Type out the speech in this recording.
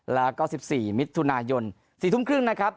แล้วก็สิบสี่มิตรทุนายนสี่ทุ่มครึ่งนะครับ